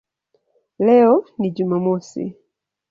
Leo ni Jumamosi".